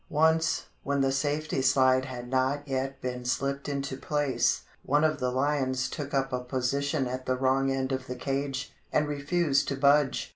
] Once, when the safety slide had not yet been slipped into place, one of the lions took up a position at the wrong end of the cage, and refused to budge.